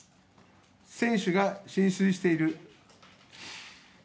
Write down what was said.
船首が浸水している。